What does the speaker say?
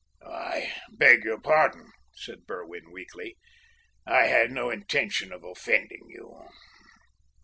"I beg your pardon," said Berwin weakly. "I had no intention of offending you.